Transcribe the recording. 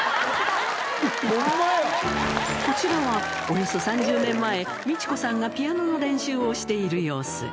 こちらは、およそ３０年前、未知子さんがピアノの練習をしている様子。